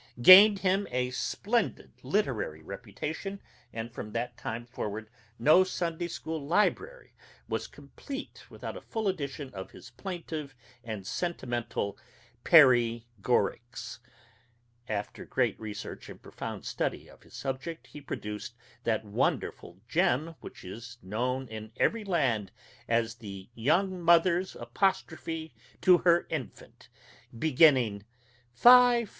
gained him a splendid literary reputation, and from that time forward no Sunday school library was complete without a full edition of his plaintive and sentimental "Perry Gorics." After great research and profound study of his subject, he produced that wonderful gem which is known in every land as "The Young Mother's Apostrophe to Her Infant," beginning: "Fie!